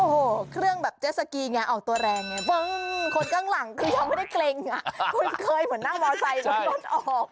โอ้โหเครื่องแบบเจสสกีไงออกตัวแรงไงคนข้างหลังคือยังไม่ได้เกร็งอ่ะคุณเคยเหมือนนั่งมอไซค์รถออก